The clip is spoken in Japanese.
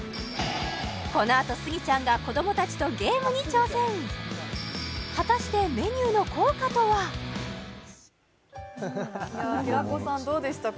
このあとスギちゃんが子どもたちとゲームに挑戦果たして平子さんどうでしたか？